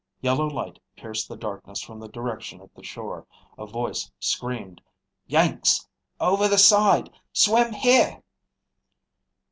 Yellow light pierced the darkness from the direction of the shore. A voice screamed, "Yanks! Over the side! Swim here!"